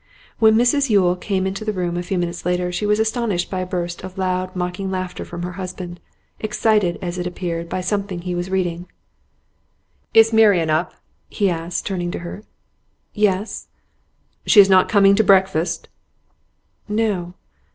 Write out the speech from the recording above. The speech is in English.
When Mrs Yule came into the room a few moments later she was astonished by a burst of loud, mocking laughter from her husband, excited, as it appeared, by something he was reading. 'Is Marian up?' he asked, turning to her. 'Yes.' 'She is not coming to breakfast?' 'No.